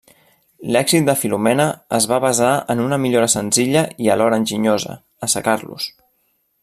L'èxit de Filomena es va basar en una millora senzilla i alhora enginyosa: assecar-los.